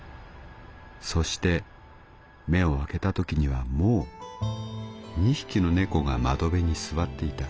そして目を開けた時にはもう二匹の猫が窓辺に座っていた。